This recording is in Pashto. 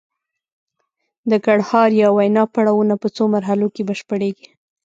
د ګړهار یا وینا پړاوونه په څو مرحلو کې بشپړیږي